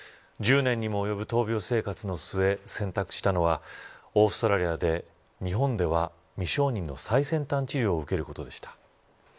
１０年にも及ぶ闘病生活の末選択したのはオーストラリアで日本では未承認の最先端治療を受けることでした。